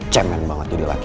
cemen banget jadi laki